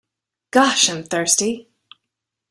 Gosh, I'm thirsty.